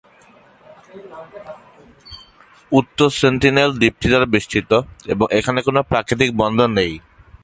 উত্তর সেন্টিনেল দ্বীপটি দ্বারা বেষ্টিত এবং এখানে কোন প্রাকৃতিক বন্দর নেই।